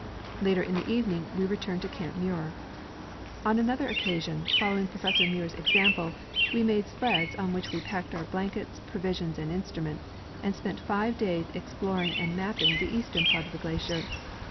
Later in the evening Ave returned to camp Muir. On another occasion, fol loAving Professor Muir's example, Ave made sleds on which Ave packed our blankets, proAdsions, and instruments, and spent five days exploring and mapping the eastern part of the glacier.